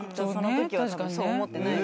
そう思ってない。